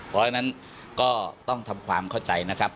เพราะฉะนั้นก็ต้องทำความเข้าใจนะครับ